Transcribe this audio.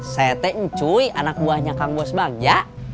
saya teh ncuy anak buahnya kang bos bagja